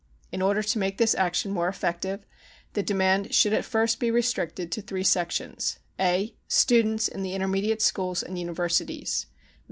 In order to make this action more effective the demand should at first be restricted to three sections : A. Students in the intermediate schools and uni versities.